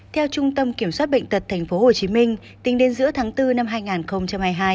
theo trung tâm kiểm soát bệnh tật tp hcm tính đến giữa tháng bốn năm hai nghìn hai mươi hai